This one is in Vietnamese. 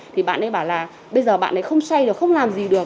thì bạn ấy bảo là bây giờ bạn ấy không say được không làm gì được